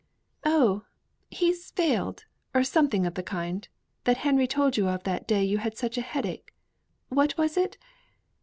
"Oh! he's failed, or something of the kind, that Henry told you of that day you had such a headache what was it?